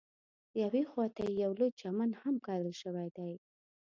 یوې خواته یې یو لوی چمن هم کرل شوی دی.